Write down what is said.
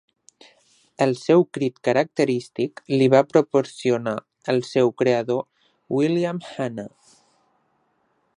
El seu crit característic li va proporcionar el seu creador William Hanna.